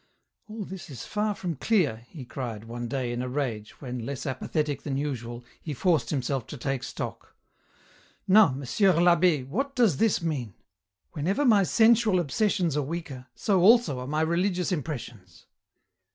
" All this is far from clear," he cried, one day, in a rage, when, less apathetic than usual, he forced himself to take stock. " Now, Monsieur I'Abbd, what does this mean ? Whenever my sensual obsessions are weaker, so also are my religious impressions."